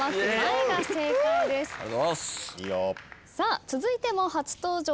さあ続いても初登場